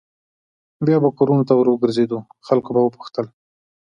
بیا به کورونو ته ور وګرځېدو خلکو به پوښتل.